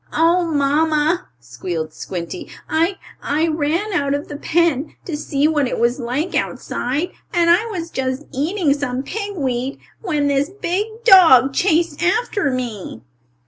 "Oh, mamma!" squealed Squinty. "I I ran out of the pen to see what it was like outside, and I was just eating some pig weed, when this big dog chased after me."